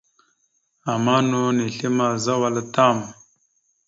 Ama no nislémazza wal a tam.